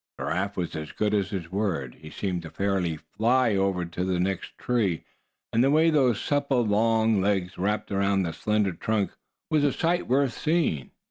Giraffe was as good as his word. He seemed to fairly fly over to the nearest tree, and the way those supple long legs wrapped around the slender trunk was a sight worth seeing.